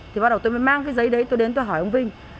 thì bắt đầu tôi mới mang cái giấy đấy tôi đến tôi hỏi ông vinh